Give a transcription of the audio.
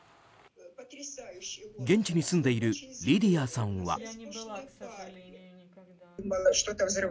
現地に住んでいるリディアさんは。